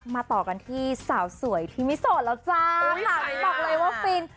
มาต่อกันที่สาวสวยที่ไม่โสดแล้วจ้า